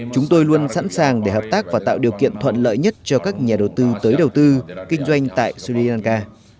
chúng tôi luôn sẵn sàng để hợp tác và tạo điều kiện thuận lợi nhất cho các nhà đầu tư tới đầu tư kinh doanh tại sri lanka